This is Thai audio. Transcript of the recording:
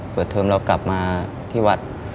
เปิดเทอมเรากลับมาที่วัด